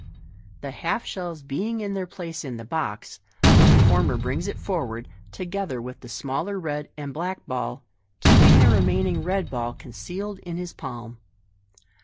The half shells being in their place in the box, the performer brings it forward, together with the smaller red and black ball, keeping the remaining red ball concealed in his palm.